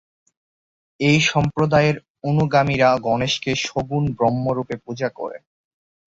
এই সম্প্রদায়ের অনুগামীরা গণেশকে সগুণ ব্রহ্ম রূপে পূজা করে।